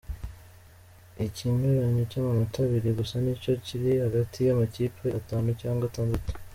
"Ikinyuranyo cy'amanota abiri gusa ni cyo kiri hagati y'amakipe atanu cyangwa atandatu.